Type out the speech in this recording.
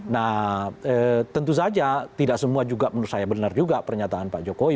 nah tentu saja tidak semua juga menurut saya benar juga pernyataan pak jokowi